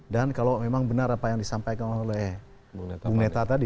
dan kalau memang benar apa yang disampaikan oleh bung neta tadi